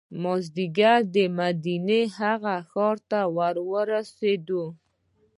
مازدیګر مدینې هغه ښار ته ورسېدو.